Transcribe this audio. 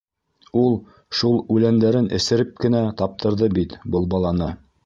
Ул шул үләндәрен эсереп кенә таптырҙы бит был баланы.